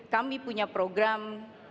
kami punya program namanya darah mudah